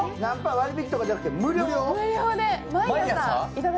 割り引きとかじゃなくて無料？！